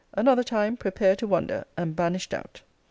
Another time prepare to wonder; and banish doubt.